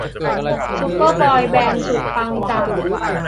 ซูเปอร์บอยแบนด์สุดปังจาก